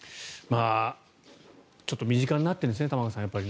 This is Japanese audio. ちょっと身近になっているんですね、玉川さん。